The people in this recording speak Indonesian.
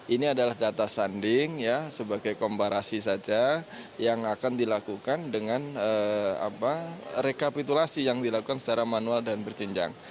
ini adalah data sanding sebagai komparasi saja yang akan dilakukan dengan rekapitulasi yang dilakukan secara manual dan berjenjang